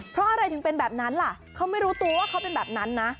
เพราะอะไรถึงเป็นแบบนั้นล่ะเขาไม่รู้ตัวว่าเขาเป็นแบบนั้นนะ